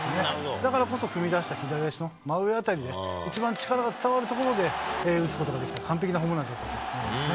だからこそ踏み出した左足の真上辺りで、一番力が伝わる所で打つことができた、完璧なホームランだったと思いますね。